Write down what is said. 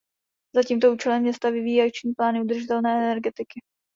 Za tímto účelem města vyvíjí akční plány udržitelné energetiky.